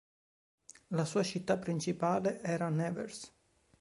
La sua città principale era Nevers.